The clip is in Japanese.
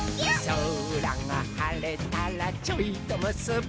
「そらがはれたらちょいとむすび」